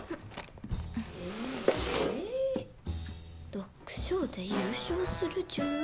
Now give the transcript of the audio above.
「ドッグショーで優勝する呪文」？